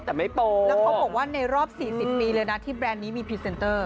แต่ไม่โปรแล้วเขาบอกว่าในรอบ๔๐ปีเลยนะที่แบรนด์นี้มีพรีเซนเตอร์